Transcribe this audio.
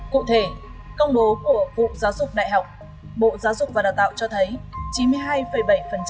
cụ thể công bố của bộ giáo dục và đào tạo cho thấy